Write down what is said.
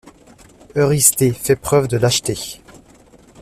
Eurysthée fait preuve de lâcheté.